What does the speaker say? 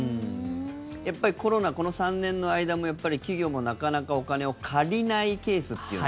やっぱり、コロナこの３年の間も、企業もなかなかお金を借りないケースっていうのが。